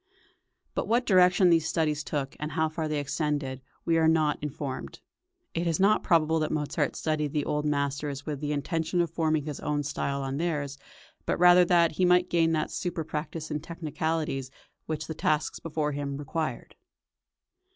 But what direction these studies took, and how far they extended, we are not informed. It is not probable that Mozart studied the old masters with the intention of forming his own style on theirs, but rather that he might gain that surer practice in technicalities which the tasks before him required.